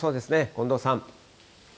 近藤さん。